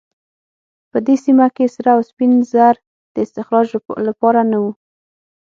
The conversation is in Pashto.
په دې سیمه کې سره او سپین زر د استخراج لپاره نه وو.